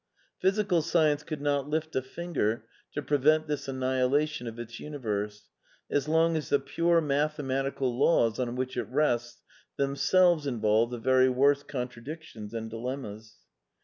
Physical science could not lift a finger to prevent this annihilation of its universe, as long as the pure mathematical laws, on which it rests, themselves involved the very worst contradictions and dilemmas.